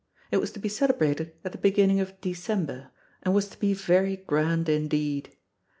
It was to be celebrated at the beginning of December, and was to be very grand indeed.